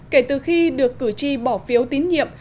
kể từ khi được cử tri bỏ phiếu tín nhiệm